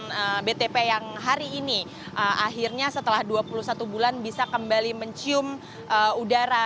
dengan btp yang hari ini akhirnya setelah dua puluh satu bulan bisa kembali mencium udara